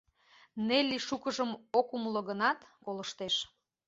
Нелли шукыжым ок умыло гынат, колыштеш.